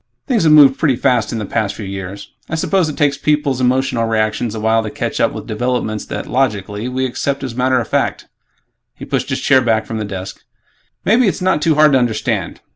Things have moved pretty fast in the past few years. I suppose it takes people's emotional reactions a while to catch up with developments that, logically, we accept as matter of fact." He pushed his chair back from the desk, "Maybe it's not too hard to understand.